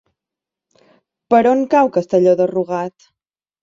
Per on cau Castelló de Rugat?